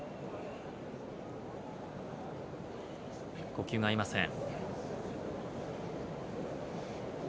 呼吸が合いません。